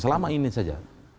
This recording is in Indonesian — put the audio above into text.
selama ini saja